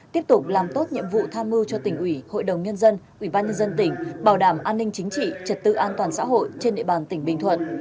tiếp tục làm tốt nhiệm vụ tham mưu cho tỉnh ủy hội đồng nhân dân ủy ban nhân dân tỉnh bảo đảm an ninh chính trị trật tự an toàn xã hội trên địa bàn tỉnh bình thuận